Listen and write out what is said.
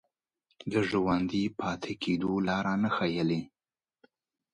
د ژوندي پاتې کېدو لاره نه ښييلې